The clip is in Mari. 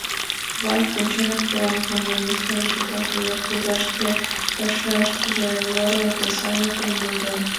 Ванькам чынак поян коммунистлан шотлаш лиеш, тудо шке пашаштыже йорло кресаньыкым монден.